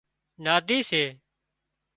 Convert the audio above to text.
نادي سي